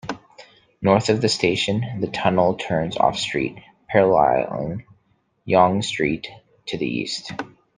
North of the station, the tunnel turns off-street, paralleling Yonge Street to the east.